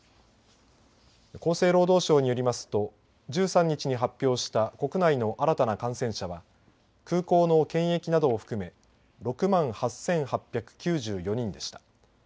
厚生労働省によりますと１３日に発表した国内の新たな感染者は空港の検疫などを含め６万８８９４人でした。